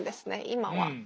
今は。